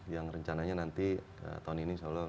yang rencananya nanti tahun ini insya allah